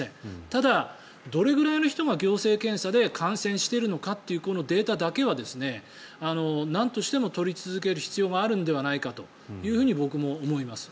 ただ、どれぐらいの人が行政検査で感染しているのかというデータだけはなんとしても取り続ける必要があるのではないかと僕も思います。